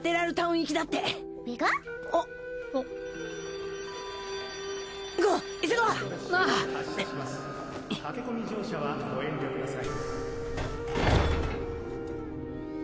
駆け込み乗車はご遠慮ください。